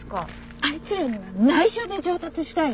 あいつらには内緒で上達したいの。